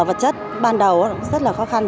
vật chất ban đầu rất là khó khăn